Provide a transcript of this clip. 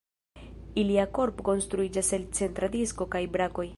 Ilia korpo konstruiĝas el centra disko kaj brakoj.